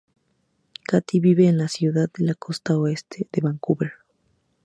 Katie vive en la ciudad de la costa oeste de Vancouver.